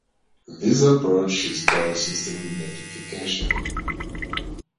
This approach is called system identification.